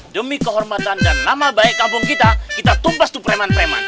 demi kehormatan dan nama baik kampung kita kita tumpas to preman preman